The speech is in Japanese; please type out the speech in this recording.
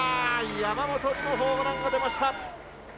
山本にもホームランが出ました。